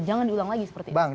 jangan diulang lagi seperti ini